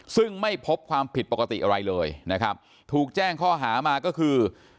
ซึ่งไม่พบความผิดปกติอะไรเลยนะครับถูกแจ้งข้อหามาก็คือ